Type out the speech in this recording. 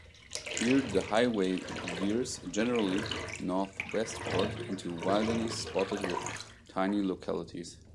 Here, the highway veers generally northwestward into wilderness spotted with tiny localities.